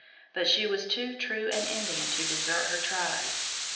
But she was too true an Indian to desert her tribe.